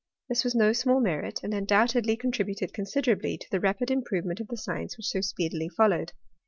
This was no small merit, and undoubtedly contributed considerably to the rapid improvement m the science whicii so speedily followed.